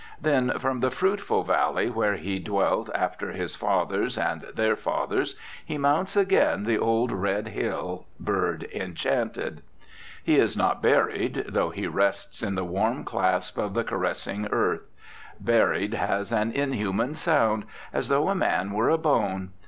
Then from the fruitful valley where he dwelt after his fathers, and their fathers, he mounts again the old red hill, bird enchanted. He is not buried, though he rests in the warm clasp of the caressing earth. Buried has an inhuman sound, as though a man were a bone.